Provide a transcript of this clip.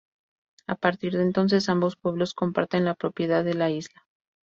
A partir de entonces ambos pueblos comparten la propiedad de la isla.